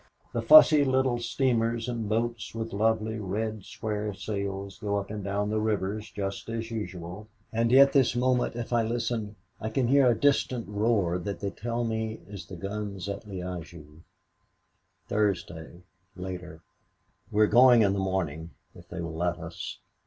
The fussy little steamers and boats with lovely red square sails go up and down the rivers just as usual. And yet this moment if I listen I can hear a distant roar that they tell me is the guns at Liége, "Thursday Later. "We are going in the morning if they will let us.